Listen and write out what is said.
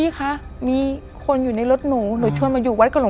คะมีคนอยู่ในรถหนูโดยเชิงมายุเวาะกับ